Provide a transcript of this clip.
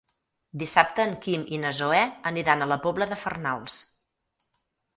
Dissabte en Quim i na Zoè aniran a la Pobla de Farnals.